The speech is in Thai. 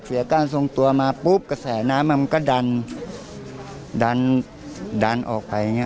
การทรงตัวมาปุ๊บกระแสน้ำมันก็ดันดันออกไปอย่างเงี